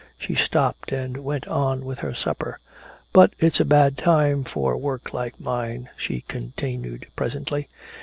She stopped and went on with her supper. "But it's a bad time for work like mine," she continued presently.